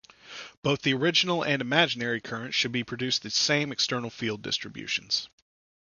Both the original and imaginary currents should be produce the same external field distributions.